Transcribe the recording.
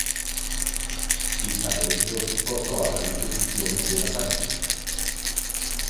Il pareggio portò alla ripetizione della partita.